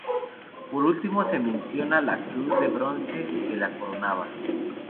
Por último, se menciona la cruz de bronce que la coronaba.